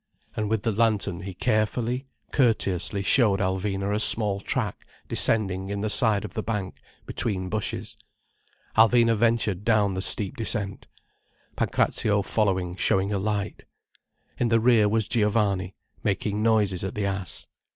And with the lantern he carefully, courteously showed Alvina a small track descending in the side of the bank, between bushes. Alvina ventured down the steep descent, Pancrazio following showing a light. In the rear was Giovanni, making noises at the ass.